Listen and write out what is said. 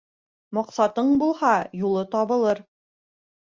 Маҡсатың булһа, юлы табылыр.